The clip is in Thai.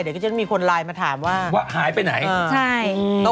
เดี๋ยวก็จะมีคนไลน์มาถามว่าว่าหายไปไหนอ่าใช่